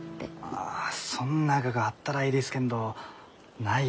あそんなががあったらえいですけんどないですき。